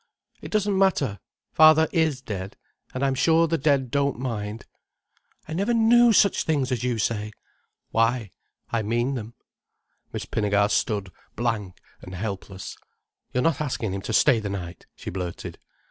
"It doesn't matter. Father is dead. And I'm sure the dead don't mind." "I never knew such things as you say." "Why? I mean them." Miss Pinnegar stood blank and helpless. "You're not asking him to stay the night," she blurted.